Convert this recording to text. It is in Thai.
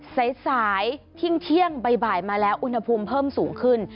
สายทิ้งเที่ยงบ่ายมาแล้วอุณหภูมิเพิ่มสูงขึ้น